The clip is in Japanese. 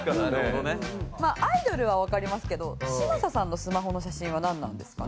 まあアイドルはわかりますけど嶋佐さんのスマホの写真はなんなんですかね？